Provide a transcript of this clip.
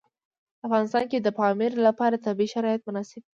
په افغانستان کې د پامیر لپاره طبیعي شرایط مناسب دي.